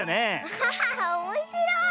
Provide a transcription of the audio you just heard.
アハハハおもしろい！